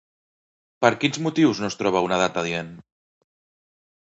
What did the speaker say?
Per quins motius no es troba una data adient?